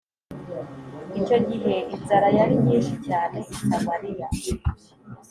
Icyo gihe inzara yari nyinshi cyane i Samariya